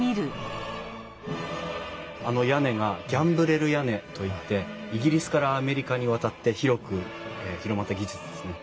あの屋根がギャンブレル屋根といってイギリスからアメリカに渡ってひろく広まった技術ですね。